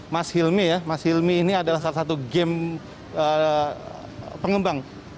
mas hilmi ya mas hilmi ini adalah salah satu game pengembang